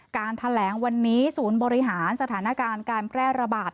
การแถลงวันนี้ศูนย์บริหารสถานการณ์การแพร่ระบาด